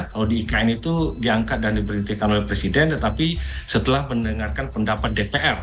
kalau di ikn itu diangkat dan diberhentikan oleh presiden tetapi setelah mendengarkan pendapat dpr